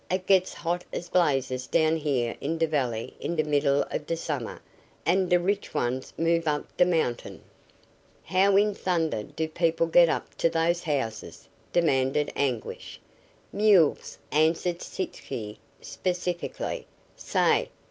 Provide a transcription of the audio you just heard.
It gets hot as blazes down here in d' valley in d' middle of d' summer and d' rich ones move up d' mountain." "How in thunder do people get up to those houses?" demanded Anguish. "Mules," answered Sitzky, specifically. "Say!